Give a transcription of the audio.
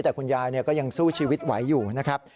แต่คุณยายก็ยังสู้ชีวิตไหวอยู่นะครับ